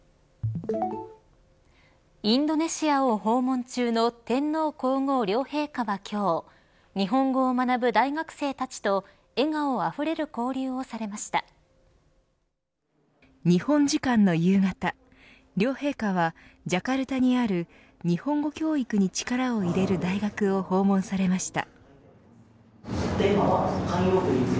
インドネシアを訪問中の天皇皇后両陛下は今日日本語を学ぶ大学生たちと日本時間の夕方両陛下はジャカルタにある日本語教育に力を入れる大学を訪問されました。